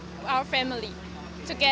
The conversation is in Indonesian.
dengan keluarga kita